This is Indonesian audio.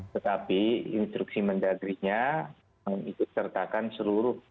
tetapi instruksi mendagrinya mengikut sertakan seluruh